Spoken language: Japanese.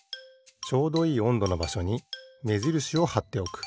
ちょうどいいおんどのばしょにめじるしをはっておく。